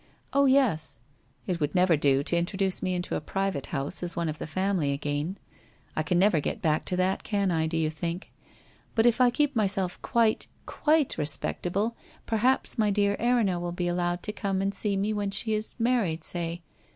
Oh yes ! It would never do to introduce me into a private house as one of the family again ! I can never get back to that, can I, do you think ? But if I keep myself quite — quite respectable perhaps my dear Erinna will be allowed to come and see me when she is married, 6ay?